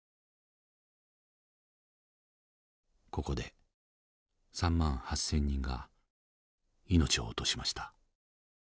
ここで３万８，０００人が命を落としました。